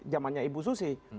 jamannya ibu susi